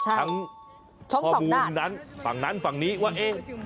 ทั้งข้อมูลนั้นฝั่งนั้นฝั่งนี้ว่าเอ๊ะ